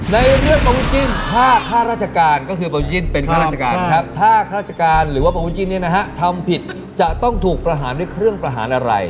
ในเรื่องประพุทธจิ้นห้าข้าราชการถ้าประพุทธจิ้นนี่ทำผิดจะต้องถูกประหารด้วยเครื่องประหารอะไร